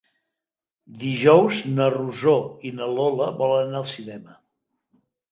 Dijous na Rosó i na Lola volen anar al cinema.